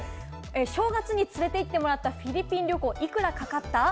正月に連れて行ってもらったフィリピン旅行、いくらかかった？